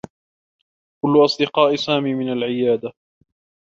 كلّ أصدقاء سامي من العيادة.